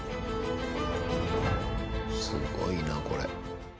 すごいなこれ。